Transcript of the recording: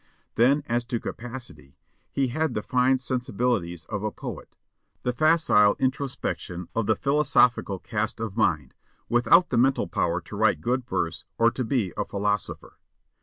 Then as to capacity, he had the fine sensibilities of a poet, the facile introspection of the philosophical cast of mind, without the mental power to write good verse or to be a philosopher.